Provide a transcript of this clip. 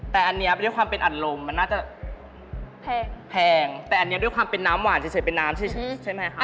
แต่อันนี้ด้วยความเป็นอัดลมมันน่าจะแพงแต่อันนี้ด้วยความเป็นน้ำหวานเฉยเป็นน้ำเฉยใช่ไหมคะ